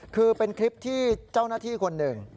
คือเป็นคลิปที่เจ้าหน้าที่คนหนึ่ง